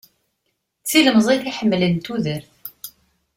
D tilemẓit iḥemmlen tudert.